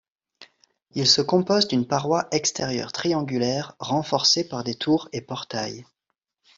Il se compose d'une paroi extérieure triangulaire, renforcée par des tours et portails.